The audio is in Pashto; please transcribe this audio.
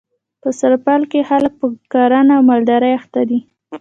په سرپل کي خلک په کرهڼه او مالدري اخته دي.